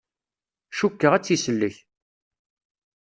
Cukkeɣ ad tt-isellek.